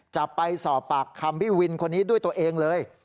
จะไปสอบปากคำพี่วินคนนี้ด้วยตัวเองเลย